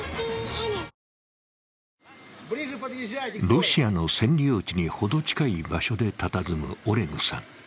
ロシアの占領地に程近い場所でたたずむオレグさん。